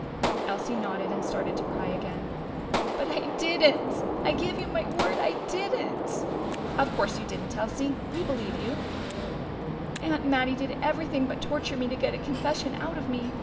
Elsie nodded and started to cry again. "But I didn't! I give you my word I didn't!" "Of course you didn't, Elsie. We believe you." "Aunt Mattie did everything but torture me to get a confession out of me.